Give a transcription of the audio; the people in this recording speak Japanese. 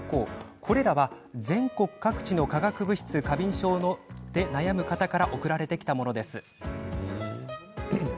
これらは、全国各地の化学物質過敏症で悩む方から送られてきたものです。